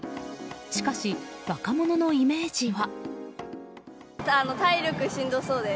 しかし、若者のイメージは。